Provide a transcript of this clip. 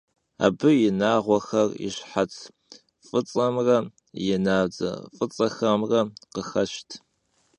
Abı yi nağuexer yi şhets f'ıts'emre yi nabdze f'ıts'exemre khıxeşt.